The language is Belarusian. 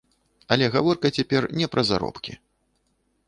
Але гаворка цяпер не пра заробкі.